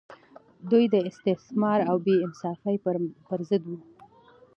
دوی د استثمار او بې انصافۍ پر ضد وو.